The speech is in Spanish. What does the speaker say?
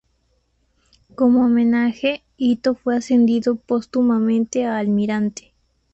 Como homenaje, Itō fue ascendido póstumamente a almirante.